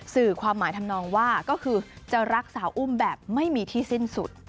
สื่อความหมายทำนองว่าก็คือจะรักสาวอุ้มแบบไม่มีที่สิ้นสุด